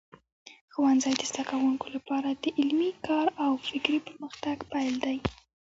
ښوونځی د زده کوونکو لپاره د علمي کار او فکري پرمختګ پیل دی.